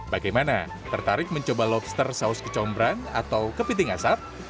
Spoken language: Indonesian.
bagaimana tertarik mencoba lobster saus kecombrang atau kepiting asap